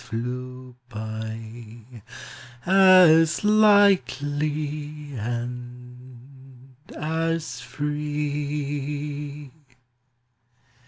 Hew by, As lightly and as free.